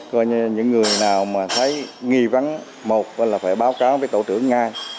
và những người nào mà thấy nghi vấn một là phải báo cáo với tổ trưởng ngay